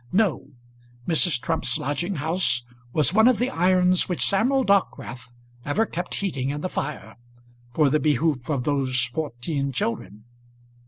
No. Mrs. Trump's lodging house was one of the irons which Samuel Dockwrath ever kept heating in the fire, for the behoof of those fourteen children.